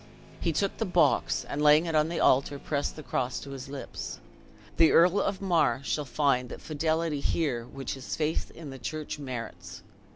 He took the box, and laying it on the altar, pressed the cross to his lips. "The Earl of Mar shall find that fidelity here which his faith in the church merits.